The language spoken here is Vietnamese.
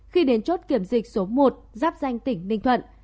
khi đến chốt kiểm dịch số một giáp danh tỉnh ninh thuận